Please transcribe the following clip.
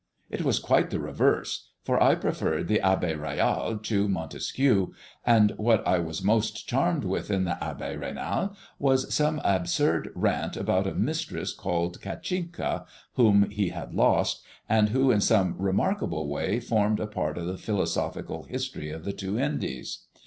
It was quite the reverse, for I preferred the Abbé Raynal to Montesquieu, and what I was most charmed with in the Abbé Raynal was some absurd rant about a mistress called Catchinka, whom he had lost, and who in some remarkable way formed a part of the Philosophical History of the Two Indies.